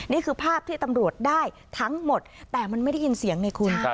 นี่คือภาพที่ตำรวจได้ทั้งหมดแต่มันไม่ได้ยินเสียงไงคุณ